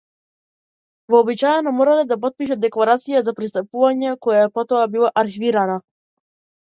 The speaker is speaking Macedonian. Вообичаено морале да потпишат декларација за пристапување која потоа била архивирана.